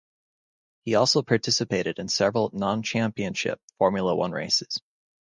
He also participated in several non-Championship Formula One races.